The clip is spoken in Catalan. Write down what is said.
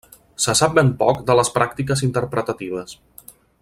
Se sap ben poc de les pràctiques interpretatives.